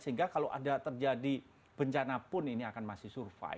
sehingga kalau ada terjadi bencana pun ini akan masih survive